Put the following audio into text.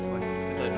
terima kasih rich